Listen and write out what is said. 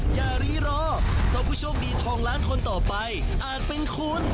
อย่ารีรอเพราะผู้โชคดีทองล้านคนต่อไปอาจเป็นคุณ